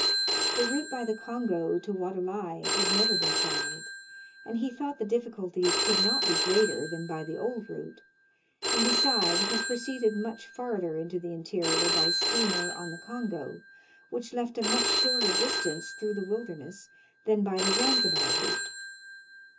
The route by the Kongo to Wadelai had never been traveled, and he thought the difficulties could not be greater than by the old route; and, beside, he proceeded much farther into the interior by steamer on the Kongo, which left a much shorter distance through the wilderness than by the Zanzi bar route.